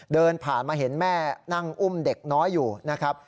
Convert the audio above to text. เดินผ่านมาเห็นแม่นั่งอุ้มเด็กน้อยอยู่นะครับ